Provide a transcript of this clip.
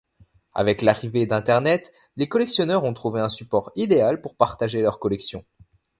Avec l'arrivée d'internet, les collectionneurs ont trouvé un support idéal pour partager leur collection.